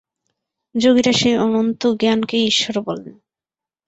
যোগীরা সেই অনন্ত জ্ঞানকেই ঈশ্বর বলেন।